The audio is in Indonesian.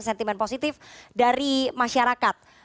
sentimen positif dari masyarakat